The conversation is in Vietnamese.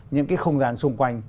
những cái không gian xung quanh